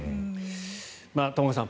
玉川さん